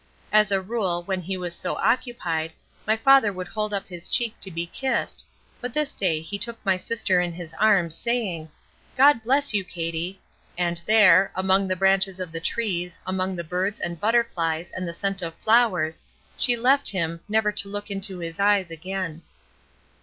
As a rule when he was so occupied, my father would hold up his cheek to be kissed, but this day he took my sister in his arms saying: "God bless you, Katie," and there, "among the branches of the trees, among the birds and butterflies and the scent of flowers," she left him, never to look into his eyes again.